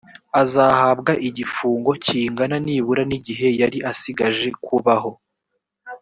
azahabwa igifungo kingana nibura n igihe yari asigaje kubaho